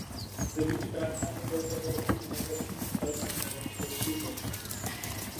S devíti brankami byl toho roku i nejlepším střelcem této soutěže.